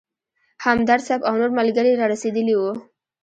همدرد صیب او نور ملګري رارسېدلي وو.